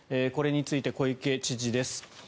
これについて小池知事です。